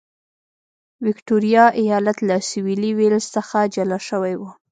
ویکټوریا ایالت له سوېلي ویلز څخه جلا شوی و.